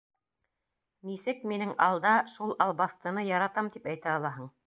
Нисек минең алда шул албаҫтыны яратам тип әйтә алаһың?